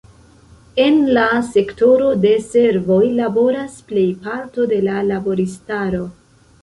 En la sektoro de servoj laboras plej parto de la laboristaro.